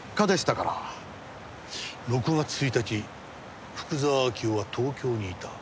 ６月１日福沢明夫は東京にいた。